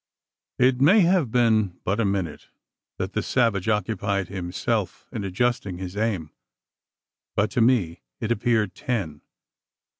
It may have been but a minute, that the savage occupied himself in adjusting his aim; but to me it appeared ten.